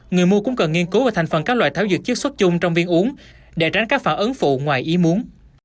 người mua cũng cần nghiên cứu về thành phần các loại tháo dược chức xuất chung trong viên uống để tránh các phản ứng phụ ngoài ý muốn